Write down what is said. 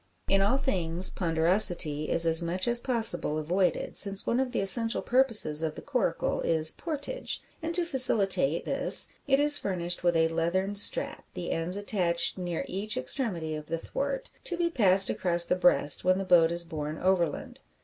In all things ponderosity is as much as possible avoided, since one of the essential purposes of the coracle is "portage;" and to facilitate this it is furnished with a leathern strap, the ends attached near each extremity of the thwart, to be passed across the breast when the boat is borne overland.